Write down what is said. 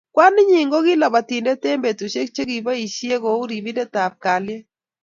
kwaninyi koki labatitendet eng betushek nikiboishei kou ripindet ab kalyet